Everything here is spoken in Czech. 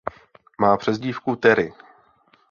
Má přezdívku Terry.